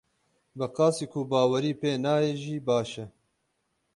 Bi qasî ku bawerî pê nayê jî baş e.